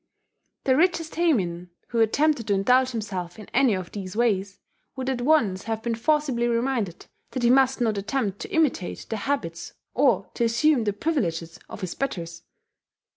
The richest heimin, who attempted to indulge himself in any of these ways, would at once have been forcibly reminded that he must not attempt to imitate the habits, or to assume the privileges, of his betters.